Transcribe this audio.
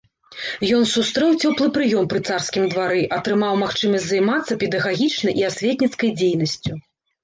Ён сустрэў цёплы прыём пры царскім двары, атрымаў магчымасць займацца педагагічнай і асветніцкай дзейнасцю.